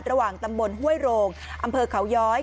ระหว่างตำบลห้วยโรงอำเภอเขาย้อย